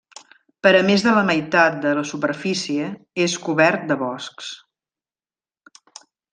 Per a més de la meitat de la superfície és cobert de boscs.